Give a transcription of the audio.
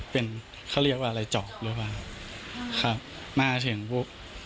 เป็นเขาเรียกว่าอะไรจอกรู้ป่ะครับมาเถียงบุ๊ค